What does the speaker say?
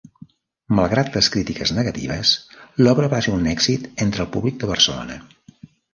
Malgrat les crítiques negatives, l'obra va ser un èxit entre el públic de Barcelona.